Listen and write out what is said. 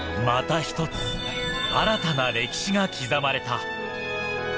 また一つ、新たな歴史が刻まれた。